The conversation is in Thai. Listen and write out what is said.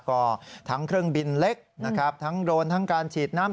ก็ทั้งเครื่องบินเล็กนะครับทั้งโรนทั้งการฉีดน้ำ